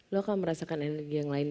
lo akan merasakan energi yang lain